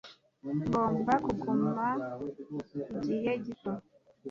Ngomba kuguma igihe gito